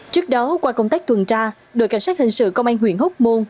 trước đó qua công tác tuần tra đội cảnh sát hình sự công an huyện hóc môn